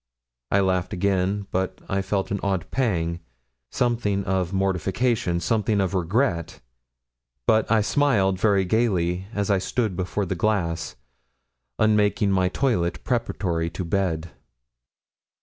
I laughed again; but I felt an odd pang something of mortification something of regret; but I smiled very gaily, as I stood before the glass, un making my toilet preparatory to bed.